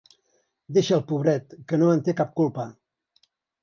Deixa'l, pobret, que no en té cap culpa.